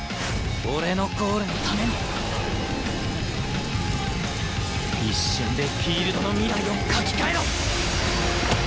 俺のゴールのために一瞬でフィールドの未来を描き変えろ！